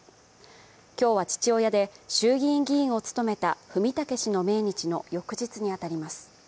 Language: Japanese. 今日は、父親で衆議院議員を務めた文武氏の命日の翌日に当たります。